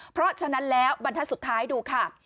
เพราะฉะนั้นแล้วบรรทัศน์สุดท้ายดูค่ะ